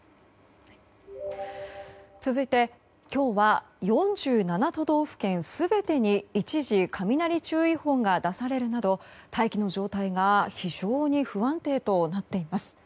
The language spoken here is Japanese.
続いて今日は４７都道府県全てに一時、雷注意報が出されるなど大気の状態が非常に不安定となっています。